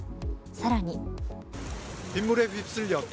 さらに。